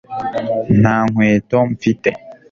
Nta nkweto mfite